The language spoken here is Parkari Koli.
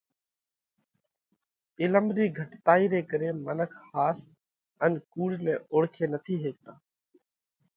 عِلم رِي گھٽتائِي ري ڪري منک ۿاس ان ڪُوڙ نئہ اوۯکي نٿِي هيڪتا۔